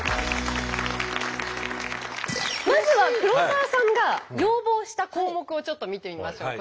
まずは黒沢さんが要望した項目をちょっと見てみましょう。